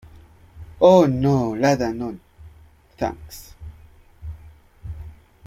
Oh, no, rather not, thanks.